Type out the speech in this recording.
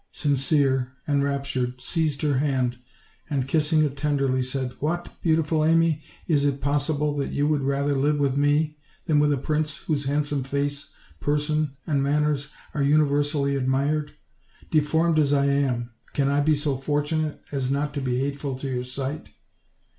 Sincere, enraptured, seized her hand, and kissing it tenderly, said: "What! beautiful Amy, is it possible that you would rather live with me than with a prince whose handsome face, person and manners are universally ad mired? Deformed as I am, can I be so fortunate as not to be hateful to your sight?